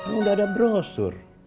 udah ada brosur